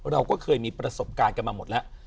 เราก็เคยมีประสบการณ์กันมาหมดแล้ว